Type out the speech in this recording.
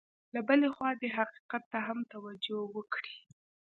له بلې خوا دې حقیقت ته هم توجه وکړي.